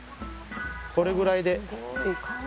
これぐらいで。